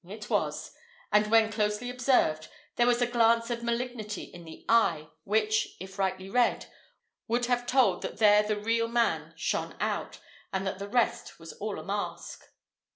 It was; and when closely observed, there was a glance of malignity in the eye, which, if rightly read, would have told that there the real man shone out, and that the rest was all a mask.